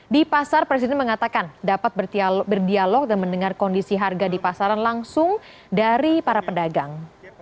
di pasar presiden mengatakan dapat berdialog dan mendengar kondisi harga di pasaran langsung dari para pedagang